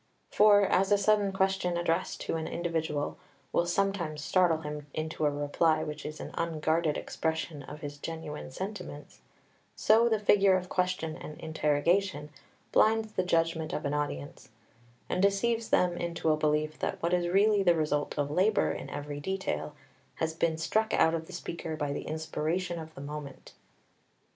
For as a sudden question addressed to an individual will sometimes startle him into a reply which is an unguarded expression of his genuine sentiments, so the figure of question and interrogation blinds the judgment of an audience, and deceives them into a belief that what is really the result of labour in every detail has been struck out of the speaker by the inspiration of the moment.